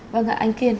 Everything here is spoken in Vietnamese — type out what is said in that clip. vâng ạ anh kiên